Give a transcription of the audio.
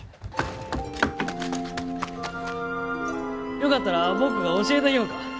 よかったら僕が教えたぎょうか。